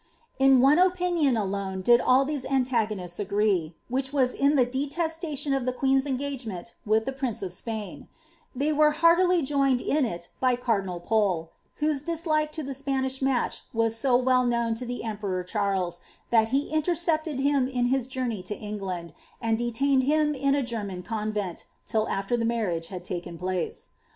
* la one opinion alone did all theee antagoaieta agree wfaidi m h the deteetation of the qoeen^a engagement with the prince of SpiSL They were heartily joined in it by cardinal Pdei whpee diaiika lo tki Spanish match was so well knowd to the emperor Charicai thai he iaterce]ited hitn in his journey to England, and detained him in a Gc^ man convent, till after. the marriage had taken place.